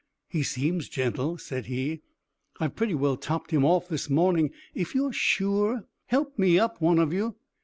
"He seems gentle," said he. "I've pretty well topped him off this morning. If you're sure " "Help me up, one of you?"